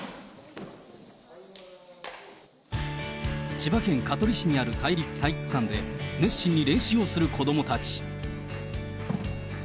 千葉県香取市にある体育館で熱心に練習をする子どもたち。